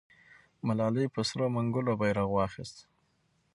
ملالۍ په سرو منګولو بیرغ واخیست.